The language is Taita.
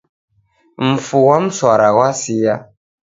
Mfu ghwa msara ghwasia